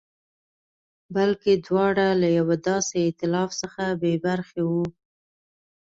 بلکې دواړه له یوه داسې اېتلاف څخه بې برخې وو.